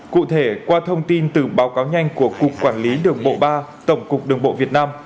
cụ thể qua thông tin từ báo cáo nhanh của cục quản lý đường bộ ba tổng cục đường bộ việt nam